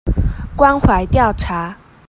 關懷調查